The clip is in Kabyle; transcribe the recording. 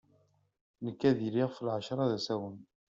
Nekk ad iliɣ ɣef lɛacra d asawen.